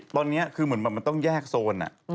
ตอนนี้คือเหมือนแบบมันต้องแยกโซน